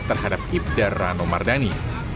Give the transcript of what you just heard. terhadap ipdal rano mardani